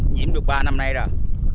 nhiễm được ba năm nay rồi